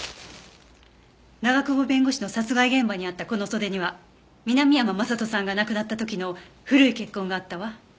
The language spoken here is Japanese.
長久保弁護士の殺害現場にあったこの袖には南山将人さんが亡くなった時の古い血痕があったわ。